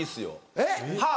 えっ？